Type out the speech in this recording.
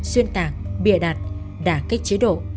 xuyên tạc bìa đặt đả kích chế độ